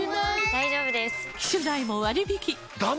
大丈夫です！